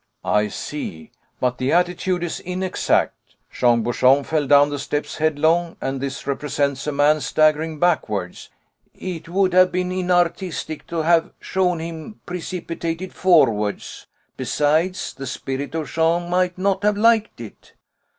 "I see. But the attitude is inexact. Jean Bouchon fell down the steps headlong, and this represents a man staggering backwards." "It would have been inartistic to have shown him precipitated forwards; besides, the spirit of Jean might not have liked it."